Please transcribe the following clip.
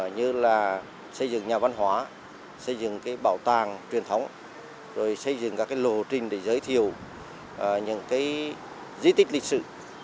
như là xây dựng nhà văn hóa xây dựng bảo tàng truyền thống rồi xây dựng các lộ trình để giới thiệu những di tích lịch sử